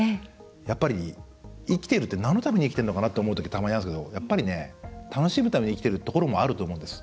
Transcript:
やっぱり、生きているってなんのために生きてるのかなって思うとき、たまにあるんですけど楽しむために生きてるところもあると思うんです。